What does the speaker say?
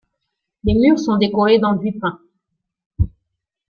Les murs sont décorés d'enduits peints.